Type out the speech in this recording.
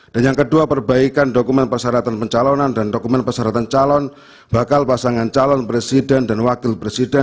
dan yang kedua perbaikan dokumen persyaratan pencalonan dan dokumen persyaratan calon bakal pasangan calon presiden dan wakil presiden